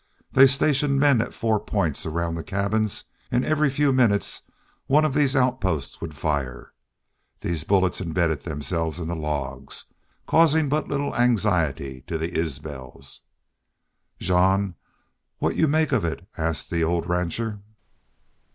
They stationed men at four points around the cabins; and every few minutes one of these outposts would fire. These bullets embedded themselves in the logs, causing but little anxiety to the Isbels. "Jean, what you make of it?" asked the old rancher.